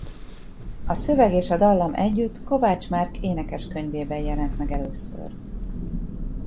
A szöveg és a dallam együtt Kovács Márk Énekeskönyvében jelent meg először.